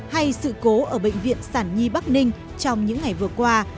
hay sự cố ở bệnh viện sản nhi bắc ninh trong những ngày vừa qua